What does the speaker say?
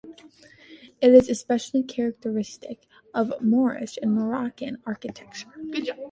It is especially characteristic of Moorish and Moroccan architecture.